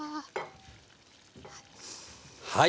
はい。